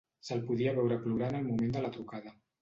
Se'l podia sentir plorar en el moment de la trucada.